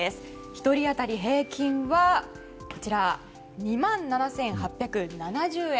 １人当たり平均は２万７８７０円。